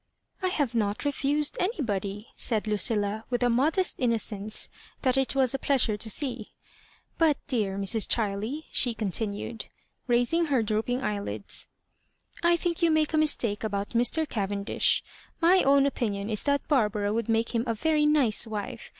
" I have not refused anybody," said Lucilla, with a modest innocence that it was a pleasure' to see ;" but, dear Mrs. Chiley,'* she continued, raising her drooping eyelids, " I think you make a mistake about Mr. Cavendish. My own opi nion is that Barbara would make him a very nice wife.